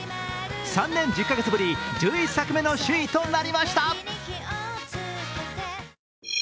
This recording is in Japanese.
３年１０か月ぶり、１１作目の首位となりました。